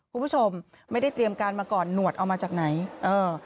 คุณผู้ชมไม่ได้เตรียมการมาก่อนหนวดเอามาจากไหนเออ